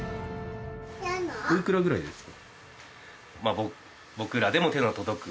おいくらぐらいですか？